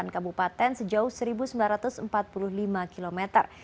delapan kabupaten sejauh seribu sembilan ratus empat puluh lima km